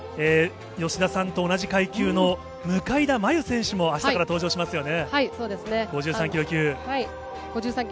吉田さんと同じ階級の向田真優選手もあしたから登場しますよね。